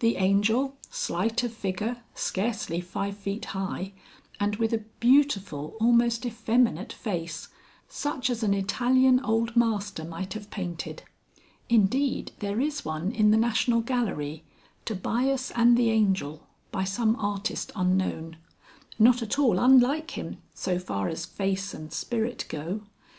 The Angel, slight of figure, scarcely five feet high, and with a beautiful, almost effeminate face, such as an Italian old Master might have painted. (Indeed, there is one in the National Gallery [Tobias and the Angel, by some artist unknown] not at all unlike him so far as face and spirit go.)